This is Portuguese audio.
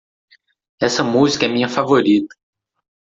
Essa música é minha favorita.